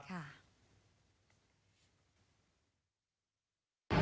ค่ะ